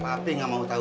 papi gak mau tau